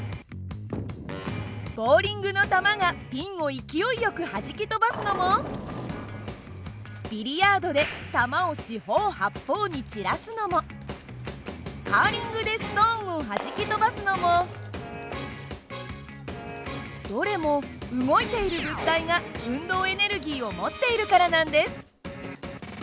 ボウリングの球がピンを勢いよくはじき飛ばすのもビリヤードで球を四方八方に散らすのもカーリングでストーンをはじき飛ばすのもどれも動いている物体が運動エネルギーを持っているからなんです。